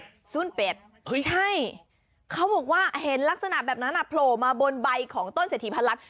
ใช่เขาบอกว่าเห็นลักษณะแบบนั้นโผล่มาบนใบของต้นเศรษฐีพันล้าน